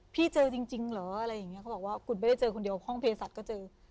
เจอจริงเหรออะไรอย่างนี้เขาบอกว่าคุณไม่ได้เจอคนเดียวห้องเพศัตว์ก็เจอ